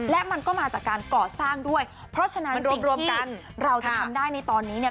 และมันก็มาจากการก่อสร้างด้วยเพราะฉะนั้นรวมรวมกันเราจะทำได้ในตอนนี้เนี่ย